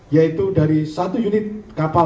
yaitu dari satu unit kapal